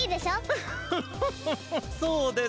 フフフフフフそうですね。